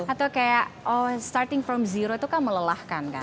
atau kayak oh starting from zero itu kan melelahkan kan